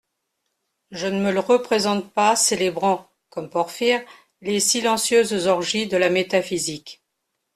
Je ne me le représente pas célébrant, comme Porphyre, les silencieuses orgies de la métaphysique.